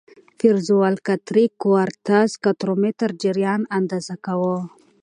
د پیزوالکتریک کوارتز الکترومتر جریان اندازه کاوه.